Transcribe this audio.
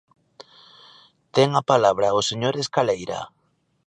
Ten a palabra o señor Escaleira.